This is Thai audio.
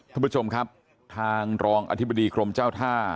ท่านผู้ชมครับทางรองอธิบดีกรมเจ้าท่า